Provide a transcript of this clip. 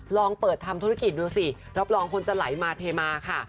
ลองเปิดทำธุรกิจดูสิรับรองคนจะไหลมาเทมาค่ะ